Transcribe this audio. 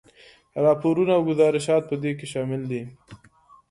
راپورونه او ګذارشات په دې کې شامل دي.